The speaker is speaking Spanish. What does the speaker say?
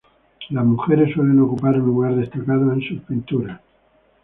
Las mujeres suelen ocupar un lugar destacado en sus pinturas.